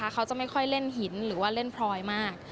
เขาจะไม่ค่อยเล่นหินหรือว่าเล่นพลอยมาก